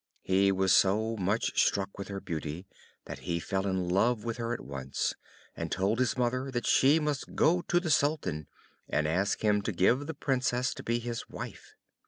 He was so much struck with her beauty, that he fell in love with her at once, and told his mother that she must go to the Sultan, and ask him to give the Princess to be his wife.